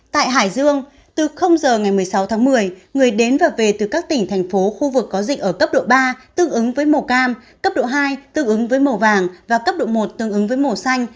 tại hải dương từ giờ ngày một mươi sáu tháng một mươi người đến và về từ các tỉnh thành phố khu vực có dịch ở cấp độ ba tương ứng với màu cam cấp độ hai tương ứng với màu vàng và cấp độ một tương ứng với màu xanh